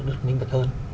được minh bạch hơn